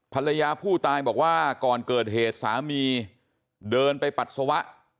ภรรยาผู้ตายบอกว่าก่อนเกิดเหตุสามีเดินไปปัสสาวะ